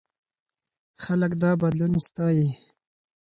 خلک دا بدلون ستایي.